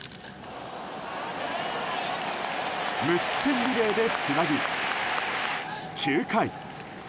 無失点リレーでつなぎ、９回。